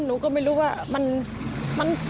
หนูก็ไม่รู้ว่ามัน